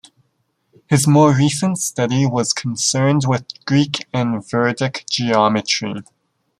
His more recent study was concerned with Greek and Vedic geometry.